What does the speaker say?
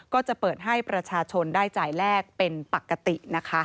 ก็จะเปิดให้ประชาชนได้จ่ายแลกเป็นปกตินะคะ